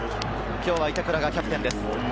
今日は板倉がキャプテンです。